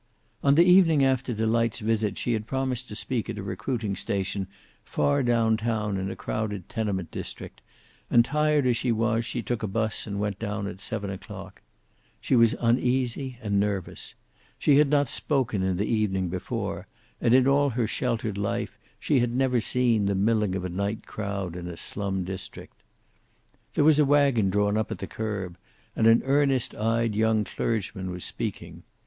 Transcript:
On the evening after Delight's visit, she had promised to speak at a recruiting station far down town in a crowded tenement district, and tired as she was, she took a bus and went down at seven o'clock. She was uneasy and nervous. She had not spoken in the evening before, and in all her sheltered life she had never seen the milling of a night crowd in a slum district. There was a wagon drawn up at the curb, and an earnest eyed young clergyman was speaking.